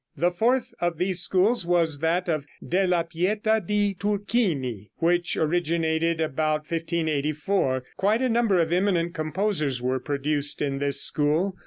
The fourth of these schools was that of Della Pieta di Turchini, which originated about 1584. Quite a number of eminent composers were produced in this school.